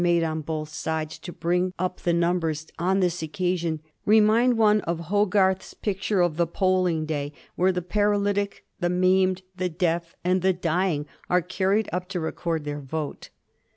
zxziil on both sides to bring up the nambers on this occasion remind one of Hogarth's picture of the " Polling Day," where the paralytic, the maimed, the deaf, and the dying are carried up to record their vote.